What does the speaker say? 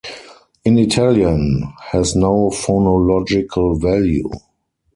In Italian, has no phonological value.